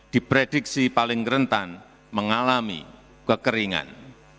diprediksi paling rentan mengalami kekeringan